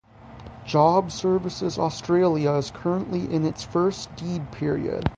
Job Services Australia is currently in its first deed period.